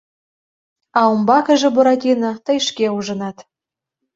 А умбакыже, Буратино, тый шке ужынат.